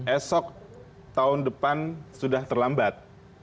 esok tahun depan sudah terlambat